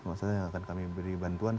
maksudnya akan kami beri bantuan